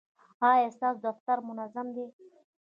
ایا ستاسو دفتر منظم دی؟